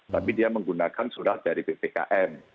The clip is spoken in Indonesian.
tapi dia menggunakan surat dari ppkm